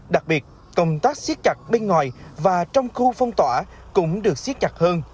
đặc biệt công tác siết chặt bên ngoài và trong khu phong tỏa cũng được xiết chặt hơn